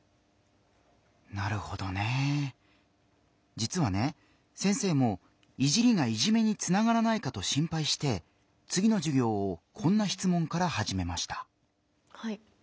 じつはね先生も「いじり」が「いじめ」につながらないかと心ぱいしてつぎの授業をこんなしつもんからはじめました。